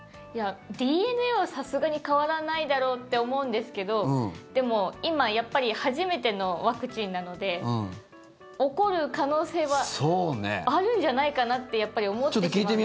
ＤＮＡはさすがに変わらないだろうって思うんですけどでも、今やっぱり初めてのワクチンなので起こる可能性はあるんじゃないかなってやっぱり思ってしまってて。